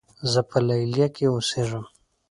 زۀ په لیلیه کې اوسېږم.